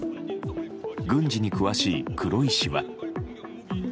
軍事に詳しい黒井氏は。